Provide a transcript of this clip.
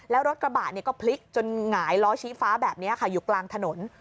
แล้วรถกระบะก็พลิกจนหงายล้อชี้ฟ้าแบบนี้ค่ะอยู่กลางถนน